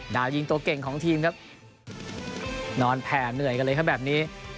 ดาวยิงตัวเก่งของทีมครับนอนแผ่เหนื่อยกันเลยครับแบบนี้